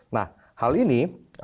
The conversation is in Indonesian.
nah hal ini